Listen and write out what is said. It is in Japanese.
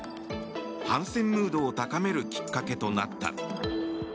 反戦ムードを高めるきっかけとなった。